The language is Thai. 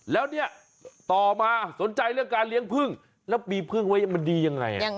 แล้วเนี่ยต่อมาสนใจเรื่องการเลี้ยงพึ่งแล้วมีพึ่งไว้มันดียังไง